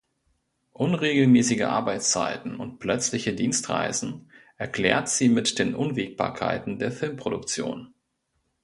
Unregelmäßige Arbeitszeiten und plötzliche Dienstreisen erklärt sie mit den Unwägbarkeiten der Filmproduktion.